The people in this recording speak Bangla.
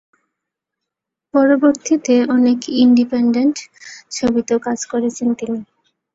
পরবর্তীতে অনেক ইন্ডিপেন্ডেন্ট ছবিতেও কাজ করেছেন তিনি।